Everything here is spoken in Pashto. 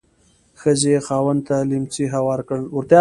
ښځې یې خاوند ته لیهمڅی هوار کړ.